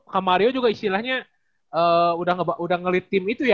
kak mario juga istilahnya udah ngelitim itu ya